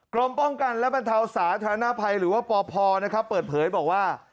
กรมป้องกันและบรรเทาสาธารณภัยหรือว่าปพนะครับเปิดเผยบอกว่า